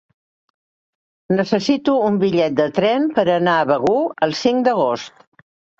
Necessito un bitllet de tren per anar a Begur el cinc d'agost.